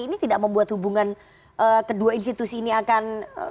ini tidak membuat hubungan kedua institusi ini akan